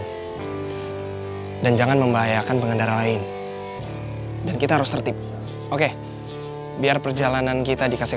dan jangan membahayakan pengendara lain dan kita harus tertip oke biar perjalanan kita dikasih